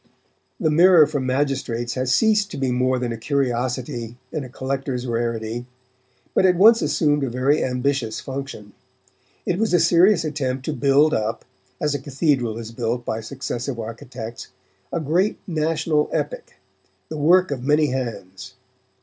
The Mirror for Magistrates has ceased to be more than a curiosity and a collector's rarity, but it once assumed a very ambitious function. It was a serious attempt to build up, as a cathedral is built by successive architects, a great national epic, the work of many hands.